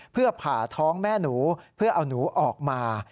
เพื่อผ่าท้องแม่หนูเพื่อเอาหนูออกมา